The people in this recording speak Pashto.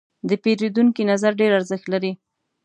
د پیرودونکي نظر ډېر ارزښت لري.